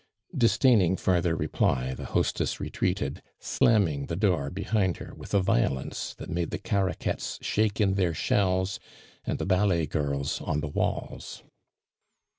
• ^Disdaining farther reply, the hostess retreated, slamming the door behind her with a violence that made the Caraquettes shake in their shells, and the ballet girls on the walls.